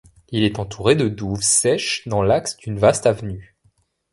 Il est entouré de douves sèches, dans l'axe d'une vaste avenue.